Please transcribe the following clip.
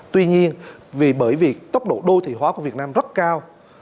tuy nhiên vì bởi vì tốc độ đô thị hóa của việt nam rất cao